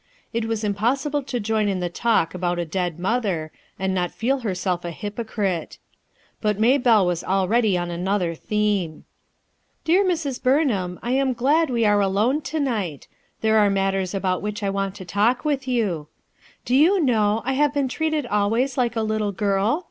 It was impossible to join in the talk about a dead mother and not feel herself a hypocrite. But Maybelle was already on another theme, "Dear Mrs, Burnham, I am glad wc are alone to night. There are matters about which I want to talk with you, 11 Do you know, I have been treated always like a little girl?